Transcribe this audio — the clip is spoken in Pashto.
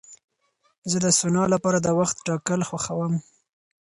زه د سونا لپاره د وخت ټاکل خوښوم.